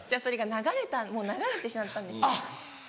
それが流れたもう流れてしまったんです。